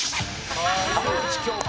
浜口京子